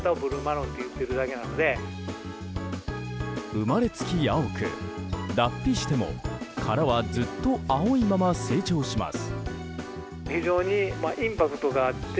生まれつき青く、脱皮しても殻はずっと青いまま成長します。